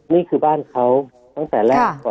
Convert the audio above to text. นี่คือบ้านเขาตั้งแต่แรกก่อน